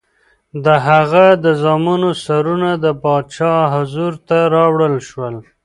د هغه د زامنو سرونه د پادشاه حضور ته راوړل شول.